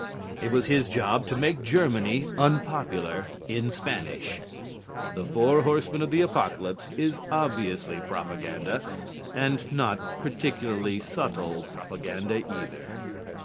It was his job to make Germany unpopular in Spanish. "The Four Horsemen of the Apocalypse" is obviously propaganda, and not particularly subtle propaganda either.